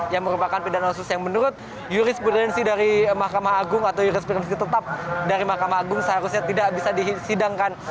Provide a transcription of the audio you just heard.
yang merupakan pidana khusus yang menurut jurisprudensi dari mahkamah agung atau jurisprudensi tetap dari mahkamah agung seharusnya tidak bisa disidangkan